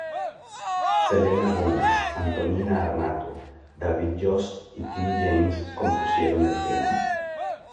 Selena Gomez, Antonina Armato, David Jost y Tim James compusieron el tema.